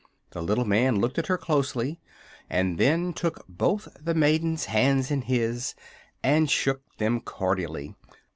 The little man looked at her closely and then took both the maiden's hands in his and shook them cordially.